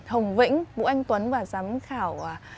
hồng vĩnh vũ anh tuấn và giám khảo